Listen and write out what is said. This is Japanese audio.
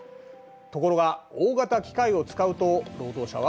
ところが大型機械を使うと労働者は？